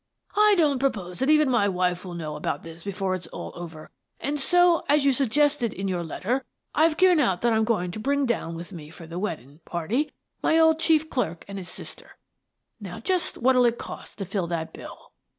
I don't propose that even my wife will know about this before it's all over, and so, as you suggested in your letter, I've given out that I'm going to bring down with me for the weddin' party my old chief clerk an' his sister. Now, just what'll it cost to fill that bill?"